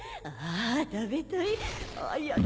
ああ食べたい。